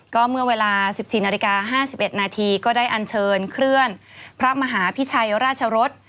ก็เมื่อเวลา๑๔นาฬิกา๕๑นาทีก็ได้อันเชิญเคลื่อนพระมหาพิชัยราชรส